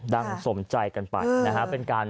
ดังสมใจกันไปเป็นการ